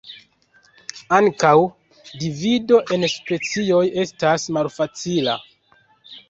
Ankaŭ divido en specioj estas malfacila.